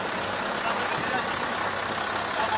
د خپل توان په اندازه له اړمنو کسانو سره مرسته وکړئ.